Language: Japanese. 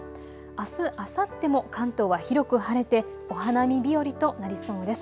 あす、あさっても関東は広く晴れてお花見日和となりそうです。